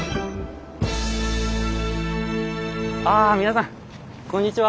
ああ皆さんこんにちは。